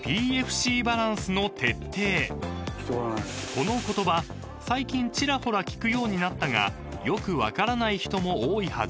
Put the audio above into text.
［この言葉最近ちらほら聞くようになったがよく分からない人も多いはず］